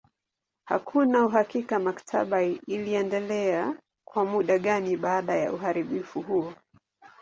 Hakuna uhakika maktaba iliendelea kwa muda gani baada ya uharibifu huo.